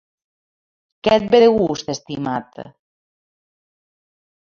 Què et ve de gust, estimat?